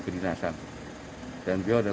dan beliau adalah sosok yang memang menjadi tauladan